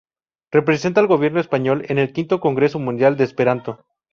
Representa al gobierno español en el quinto Congreso Mundial de Esperanto.